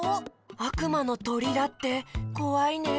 あくまのとりだってこわいねえ。